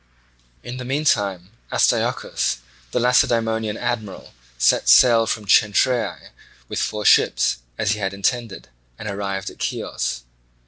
In the meantime Astyochus, the Lacedaemonian admiral, set sail from Cenchreae with four ships, as he had intended, and arrived at Chios.